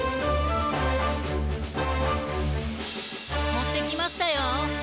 もってきましたよ。